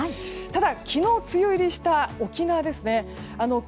ただ、昨日梅雨入りした沖縄ですね。